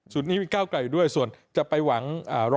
สูตรนี้มีก้ากรายอยู่ด้วยส่วนจะไปหวัง๑๘๘